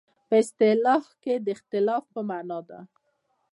په اصطلاح کې د اختلاف په معنی ده.